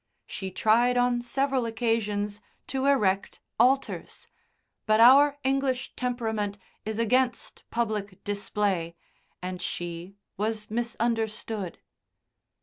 She tried on several occasions to erect altars, but our English temperament is against public display, and she was misunderstood.